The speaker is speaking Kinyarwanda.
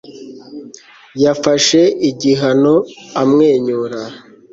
yafashe igihano amwenyura